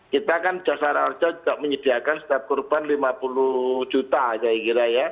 kita kan jasara harja juga menyediakan setiap korban lima puluh juta saya kira ya